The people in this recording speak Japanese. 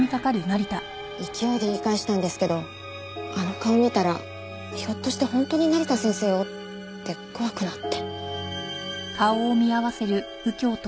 勢いで言い返したんですけどあの顔見たらひょっとして本当に成田先生をって怖くなって。